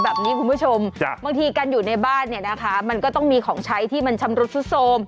แบบนี้คุณผู้ชมบางทีการอยู่ในบ้านเนี่ยนะคะมันก็ต้องมีของใช้ที่มันชำรุดซุดโทรม